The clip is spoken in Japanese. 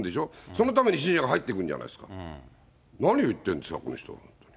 そのために信者が入ってくんじゃないですか、何を言ってるんですか、この人。